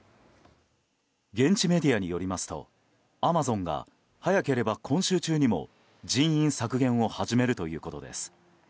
現地メディアによりますとアマゾンが早ければ今週中にも人員削減を始めるということです。